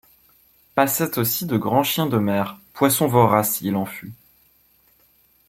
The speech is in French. Passaient aussi de grands chiens de mer, poissons voraces s’il en fut.